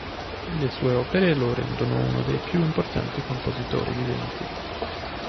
Le sue opere lo rendono uno dei più importanti compositori viventi.